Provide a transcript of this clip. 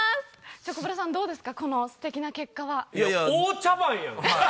チョコプラさん、どうですか、このすてきな結果は？